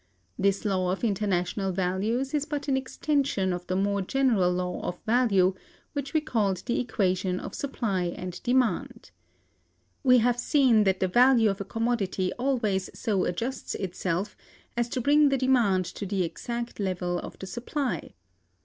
This law of International Values is but an extension of the more general law of Value, which we called the Equation of Supply and Demand.(270) We have seen that the value of a commodity always so adjusts itself as to bring the demand to the exact level of the supply.